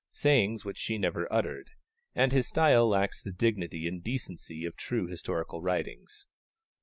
sayings which she never uttered, and his style lacks the dignity and decency of true historical writings.